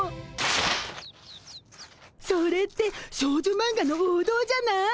それって少女マンガの王道じゃない？